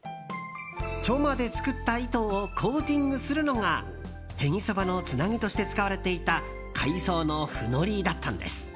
チョマで作った糸をコーティングするのがへぎそばのつなぎとして使われていた海藻のフノリだったんです。